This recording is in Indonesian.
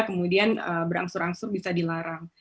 kemudian berangsur angsur bisa dilarang